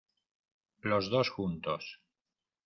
los dos, juntos.